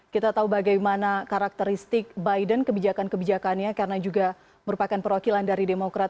kita tahu bagaimana karakteristik biden kebijakan kebijakannya karena juga merupakan perwakilan dari demokrat